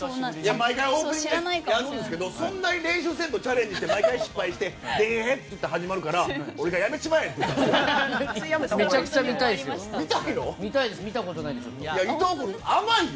毎回オープニングでやるんですけどそんなに練習せんとチャレンジして失敗しててへへってなるので俺がやめちまえ！って言ったんですよ。